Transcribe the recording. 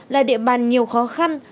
là địa bàn nhiều khó khăn